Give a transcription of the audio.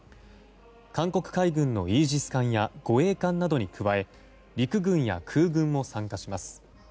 韓国海軍のイージス艦や護衛艦などに加え陸軍や空軍も参加します。